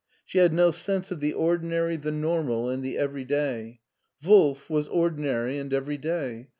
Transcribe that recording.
She had no sense of the ordinary, the normal, and the everyday. Wolf was ordinary and everyday.